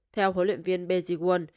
theo huấn luyện viên beji won